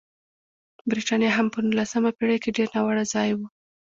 برېټانیا هم په نولسمه پېړۍ کې ډېر ناوړه ځای و.